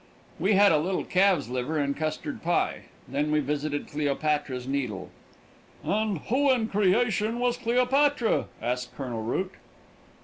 We had a little calves' liver and custard pie. Then we visited Cleopatra's Needle. "And who in creation was Cleopatra?" asked Colonel Root.